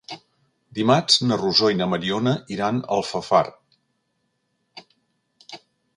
Dimarts na Rosó i na Mariona iran a Alfafar.